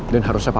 dan harusnya papa